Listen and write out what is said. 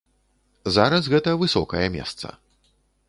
Зараз гэта высокае месца.